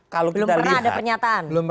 belum pernah ada pernyataan